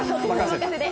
お任せで。